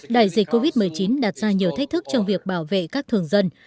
đại dịch covid một mươi chín đặt ra nhiều thách thức trong việc bảo vệ các thường dân